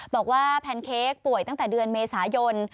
แพนเค้กป่วยตั้งแต่เดือนเมษายน